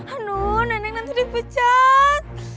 aduh nenek nanti dipecat